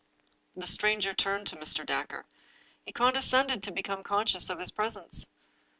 The stranger turned to Mr. Dacre. He condescended to become conscious of his presence.